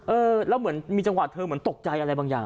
เออแล้วมีจังหวะเธอตกใจอะไรบางอย่าง